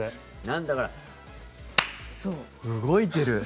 だから動いてる！